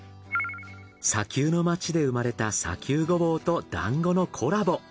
砂丘の街で生まれた砂丘ゴボウと団子のコラボ。